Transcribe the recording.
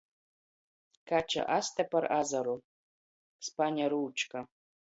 Kača aste par azaru. Spaņa rūčka.